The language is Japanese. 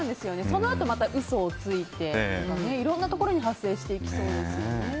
そのあとまた嘘をついてとかいろんなところに派生していきそうですよね。